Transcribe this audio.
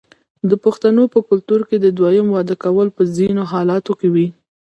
د پښتنو په کلتور کې د دویم واده کول په ځینو حالاتو کې وي.